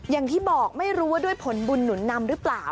อย่างที่บอกไม่รู้ว่าด้วยผลบุญหนุนนำหรือเปล่า